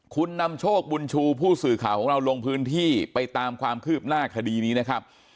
คุณนำโชคบุญชูผู้สื่อข่าวของเราลงพื้นที่ไปตามความคืบหน้าคดีนี้นะครับ